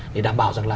để đảm bảo rằng là